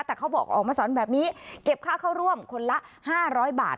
แต่เขาบอกออกมาสอนแบบนี้เก็บค่าเข้าร่วมคนละ๕๐๐บาท